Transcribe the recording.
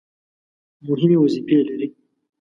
مهمې وظیفې لري.